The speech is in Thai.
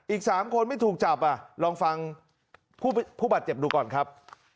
อีก๓คนไม่ถูกจับลองฟังผู้บาดเจ็บดูก่อนครับ